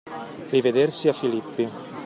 Rivedersi a Filippi.